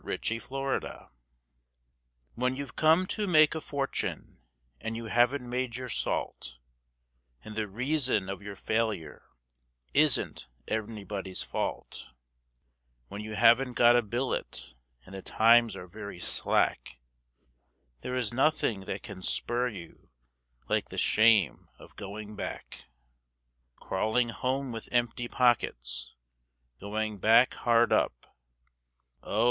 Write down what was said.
The Shame of Going Back When you've come to make a fortune and you haven't made your salt, And the reason of your failure isn't anybody's fault When you haven't got a billet, and the times are very slack, There is nothing that can spur you like the shame of going back; Crawling home with empty pockets, Going back hard up; Oh!